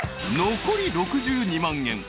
［残り６２万円。